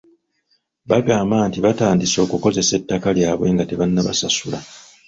Bagamba nti batandise okukozesa ettaka lyabwe nga tebannabasasula.